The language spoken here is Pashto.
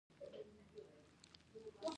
ګلف د تودو اوبو بهیر دی.